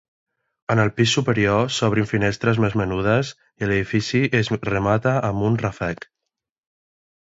En el pis superior, s'obrin finestres més menudes i l'edifici es remata amb un ràfec.